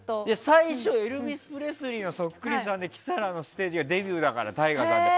最初エルヴィス・プレスリーのそっくりさんでキサラのステージがデビューだからＴＡＩＧＡさんって。